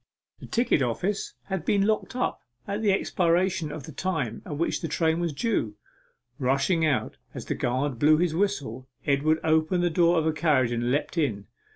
The ticket office had been locked up at the expiration of the time at which the train was due. Rushing out as the guard blew his whistle, Edward opened the door of a carriage and leapt in.